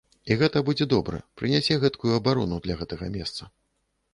І гэта будзе добра, прынясе гэткую абарону для гэтага месца.